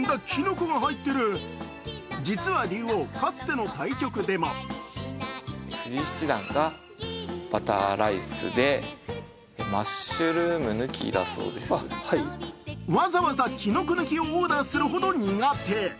実は竜王、かつての対局でもわざわざキノコ抜きをオーダーするほど苦手。